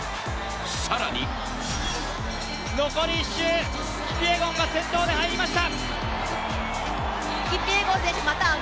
更に残り１周、キピエゴンが先頭で入りました。